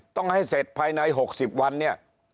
ต้องให้เสร็จภายใน๖๐วันเนี่ย